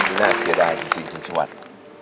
เป็นที่น่าเสียดายจริงคุณสวัสดิ์